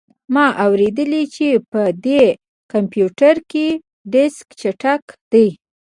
ما اوریدلي چې په دې کمپیوټر کې ډیسک چټک دی